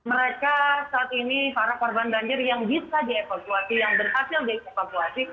mereka saat ini para korban banjir yang bisa dievakuasi yang berhasil dievakuasi